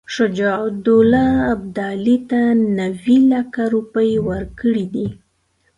شجاع الدوله ابدالي ته نیوي لکه روپۍ ورکړي دي.